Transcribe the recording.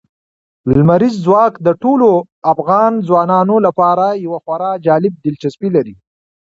لمریز ځواک د ټولو افغان ځوانانو لپاره یوه خورا جالب دلچسپي لري.